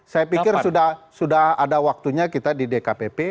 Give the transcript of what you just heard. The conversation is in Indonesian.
saya pikir sudah ada waktunya kita di dkpp